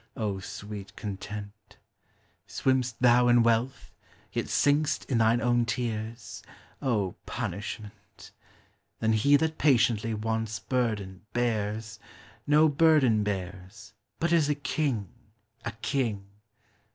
O sweet content ! Swimm'st thou in wealth, yet sink'st in thine own tears ? O punishment ! Then he that patiently want's burden bears No burden bears, but is a king, a kiDg